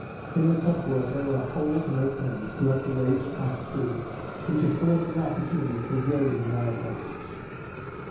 In the cutwater were holes and openings to let the waves pass through, which afforded an opportunity for gilding and arabesques.